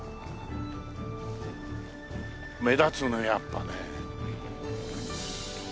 目立つなやっぱね。